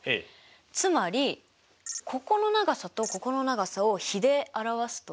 つまりここの長さとここの長さを比で表すと？